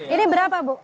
ini berapa bu